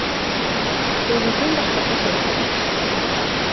Prohibición das portas xiratorias.